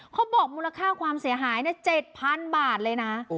เขาบอกมูลค่าความเสียหาย๗๐๐บาทเลยนะ